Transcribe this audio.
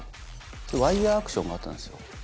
それワイヤアクションがあったんですよ。